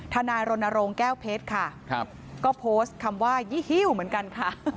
นายรณรงค์แก้วเพชรค่ะก็โพสต์คำว่ายี่หิ้วเหมือนกันค่ะ